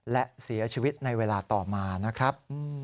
และเสียชีวิตในเวลาต่อมานะครับ